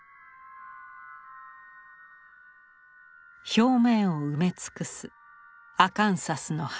表面を埋め尽くすアカンサスの葉。